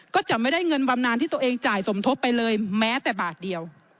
ก็จะไม่ได้เงินบำนานที่ตัวเองจ่ายสมทบไปเลยแม้แต่บาทเดียว